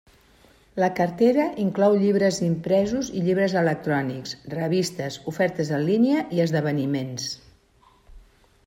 La cartera inclou llibres impresos i llibres electrònics, revistes, ofertes en línia i esdeveniments.